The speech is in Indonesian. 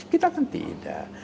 kita kan tidak